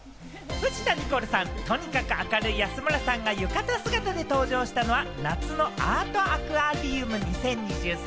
藤田ニコルさん、とにかく明るい安村さんが、浴衣姿で登場したのは、夏のアートアクアリウム２０２３